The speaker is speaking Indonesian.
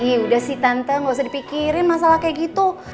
iya udah si tante gak usah dipikirin masalah kayak gitu